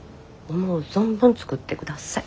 思う存分作って下さい。